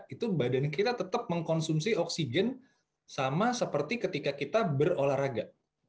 itu badan kita tetap mengkonsumsi oksigen sama seperti ketika kita berolahraga